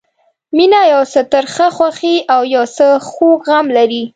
مینه یو څه ترخه خوښي او یو څه خوږ غم لري.